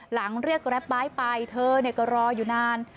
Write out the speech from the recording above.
หลังเรียกแกรปบ้ายไปเธอเนี่ยก็รออยู่นาน